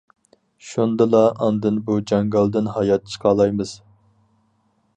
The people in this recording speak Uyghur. شۇندىلا ئاندىن بۇ جاڭگالدىن ھايات چىقالايمىز.